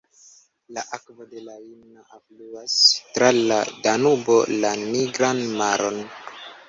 La akvo de la Inn alfluas tra la Danubo la Nigran Maron.